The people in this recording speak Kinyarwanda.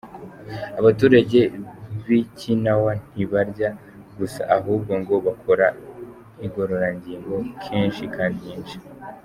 Abaturage bIkinawa ntibarya gusa, ahubwo ngo bakora Igororangingo kenshi kandi nyinshi.